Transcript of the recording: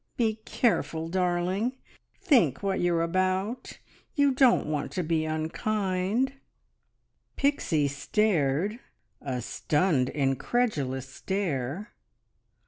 Be careful, darling! Think what you're about. You don't want to be unkind " Pixie stared a stunned, incredulous stare.